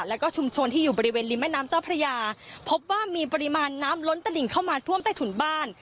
แล้วก็ชุมชนที่อยู่บริเวณริมแม่น้ำเจ้าพระยาพบว่ามีปริมาณน้ำล้นตลิ่งเข้ามาท่วมใต้ถุนบ้าน